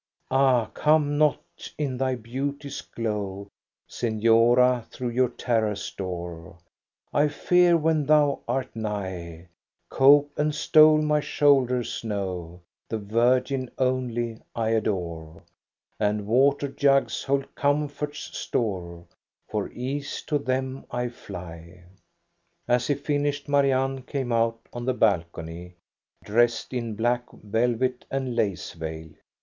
" Ah, come not in thy beauty's glow, Sefiora, through yon terrace door ; I fear when thou art nigh ! Cope and stole my shoulders know, The Virgin only I adore. And water jugs hold comfort's store ; For ease to them I fly." As he finished, Marianne came out on the balcony, dressed in black velvet aiid lace veil.